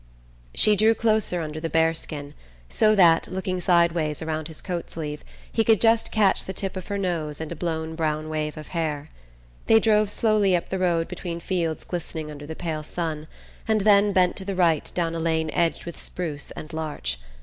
She drew closer under the bearskin, so that, looking sideways around his coat sleeve, he could just catch the tip of her nose and a blown brown wave of hair. They drove slowly up the road between fields glistening under the pale sun, and then bent to the right down a lane edged with spruce and larch.